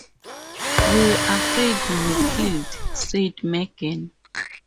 “We were afraid you were killed,” said Megan.